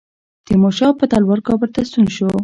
تیمورشاه په تلوار کابل ته ستون شو.